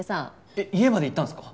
えっ家まで行ったんすか？